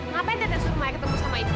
ngapain tete suruh maya ketemu sama ibu